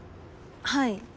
はい。